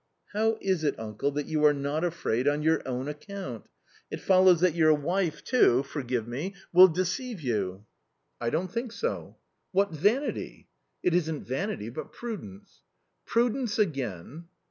" How is it, un cle^ th at jgfijxe not afraid on your ovn account? If follows that your wife too — forgive me — will deCtilVti J6\i ?^ *I don't think so/' " What vanity 1 *~" It isn't vanity, but prudence." " Prudence again